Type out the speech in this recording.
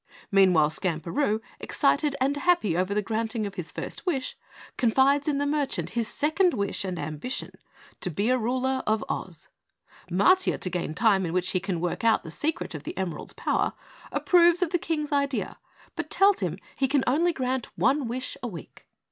Meanwhile, Skamperoo, excited and happy over the granting of his first wish, confides in the merchant his second wish and ambition to be ruler of Oz. Matiah, to gain time in which he can work out the secret of the emeralds' power, approves of the King's idea, but tells him he can only grant one wish a week.